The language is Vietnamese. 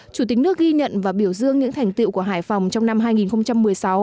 chủ tịch nước ghi nhận và biểu dương những thành tiệu của hải phòng trong năm hai nghìn một mươi sáu